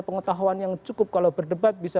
pengetahuan yang cukup kalau berdebat bisa